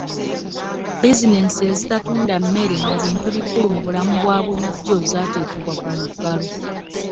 bizineesi ezitatunda mmere na bintu bikulu mu bulamu obwabulijjo zaateekebwa ku muggalo.